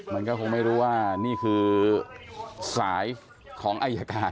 มันก็คงไม่รู้ว่านี่คือสายของอายการ